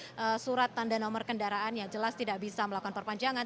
bila sampai terblokir surat tanda nomor kendaraan yang jelas tidak bisa melakukan perpanjangan